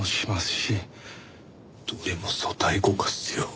どれも組対五課っすよ。